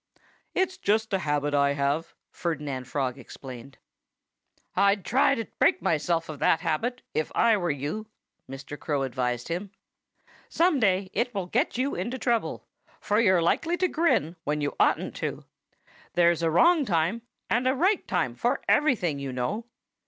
"It's just a habit I have," Ferdinand Frog explained. "I'd try to break myself of that habit, if I were you," Mr. Crow advised him. "Some day it will get you into trouble, for you're likely to grin when you oughtn't to. There's a wrong time and a right time for everything, you know."